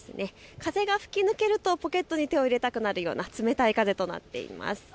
風が吹き抜けるとポケットに手を入れたくなるような冷たい風となっています。